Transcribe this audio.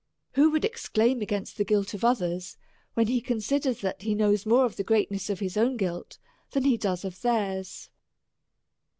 WIio would exclaim against the guilt of others, when he considers that he knows more of the greatness of his own guilt than he does of their's